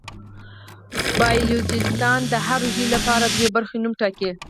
بایولوژېسټان د هر ژوي لپاره دوه برخې نوم ټاکي.